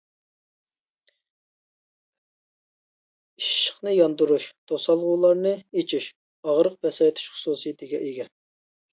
ئىششىقنى ياندۇرۇش، توسالغۇلارنى ئېچىش، ئاغرىق پەسەيتىش خۇسۇسىيىتىگە ئىگە.